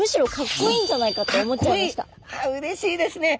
あうれしいですね。